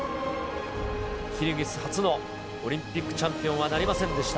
キルギス初のオリンピックチャンピオンはなりませんでした。